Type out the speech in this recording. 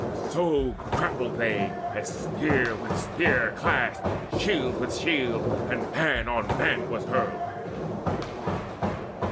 So grappled they, as spear with spear Clashed, shield with shield, and man on man was hurled.